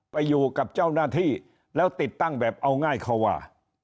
ไปอยู่กับเจ้าหน้าที่แล้วติดตั้งแบบเอาง่ายเข้าว่า